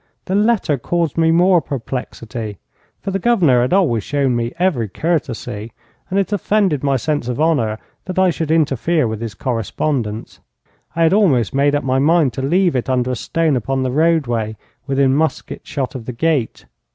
The letter caused me more perplexity, for the Governor had always shown me every courtesy, and it offended my sense of honour that I should interfere with his correspondence. I had almost made up my mind to leave it under a stone upon the roadway within musket shot of the gate.